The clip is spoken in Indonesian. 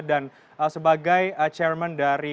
dan sebagai chairman dari